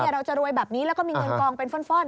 เราจะรวยแบบนี้แล้วก็มีเงินกองเป็นฟ่อน